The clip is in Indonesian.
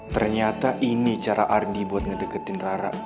ternyata ini cara ardi buat ngedeketin rara